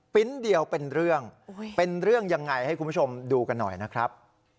เดียวเป็นเรื่องเป็นเรื่องยังไงให้คุณผู้ชมดูกันหน่อยนะครับ